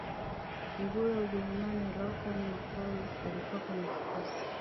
nguli wa ujerumani lothar matthaus alikuwa kwenye kikosi